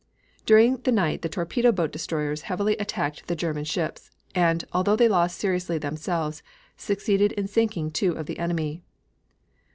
During the night the torpedo boat destroyers heavily attacked the German ships, and, although they lost seriously themselves, succeeded in sinking two of the enemy.